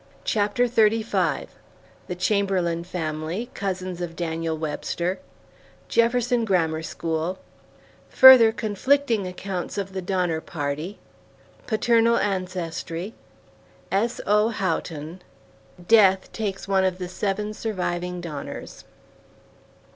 ] CHAPTER XXXV THE CHAMBERLAIN FAMILY, COUSINS OF DANIEL WEBSTER JEFFERSON GRAMMAR SCHOOL FURTHER CONFLICTING ACCOUNTS OF THE DONNER PARTY PATERNAL ANCESTRY S.O. HOUGHTON DEATH TAKES ONE OF THE SEVEN SURVIVING DONNERS.